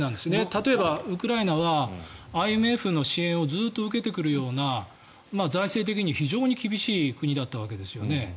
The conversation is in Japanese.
例えばウクライナはＩＭＦの支援をずっと受けてくるような財政的に非常に厳しい国だったわけですよね。